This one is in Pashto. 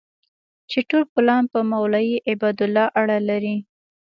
چې ټول پلان په مولوي عبیدالله اړه لري.